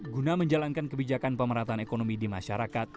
guna menjalankan kebijakan pemerataan ekonomi di masyarakat